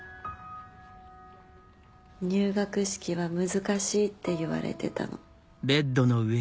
入学式は難しいって言われてたの。